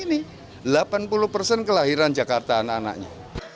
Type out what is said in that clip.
ini delapan puluh persen kelahiran jakarta anak anaknya